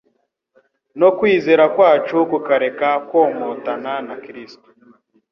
no kwizera kwacu kukareka komotana na Kristo.